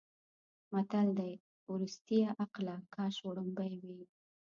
متل دی: ورستیه عقله کاش وړومبی وی.